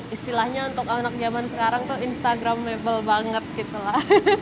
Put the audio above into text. istilahnya untuk anak zaman sekarang tuh instagramable banget gitu lah